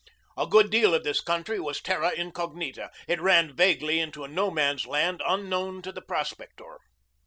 A good deal of this country was terra incognita. It ran vaguely into a No Man's Land unknown to the prospector.